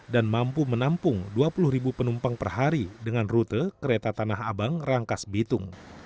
mampu menampung dua puluh ribu penumpang per hari dengan rute kereta tanah abang rangkas bitung